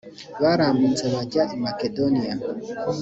barambutse baza i makedoniya